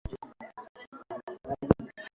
unyanyapaaji dhidi ya watu waliyo na ukimwi siyo mzuri